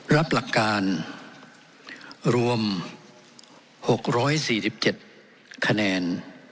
รับหลักการรวมหกร้อยสี่สิบเจ็ดคะแนน